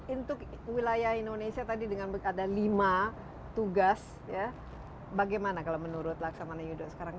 untuk wilayah indonesia tadi dengan ada lima tugas ya bagaimana kalau menurut laksamana yudo sekarang